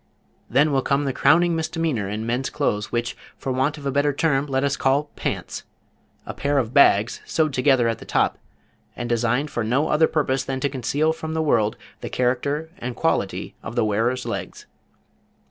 Then will come the crowning misdemeanor in men's clothes which, for want of a better term let us call pants a pair of bags sewed together at the top, and designed for no other purpose than to conceal from the world the character and quality of the wearer's legs.